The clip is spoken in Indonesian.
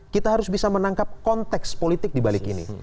kita harus bisa menangkap konteks politik di balik ini